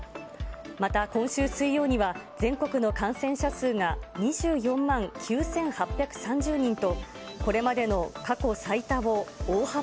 また今週水曜には、全国の感染者数が２４万９８３０人と、これまでの過去最多を大幅